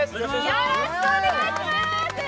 よろしくお願いします。